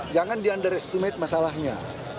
jangan di underestimate masalahnya